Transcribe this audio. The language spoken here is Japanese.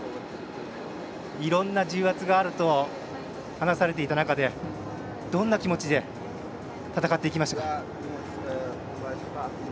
いろんな重圧があると話されていた中でどんな気持ちで戦っていきましたか？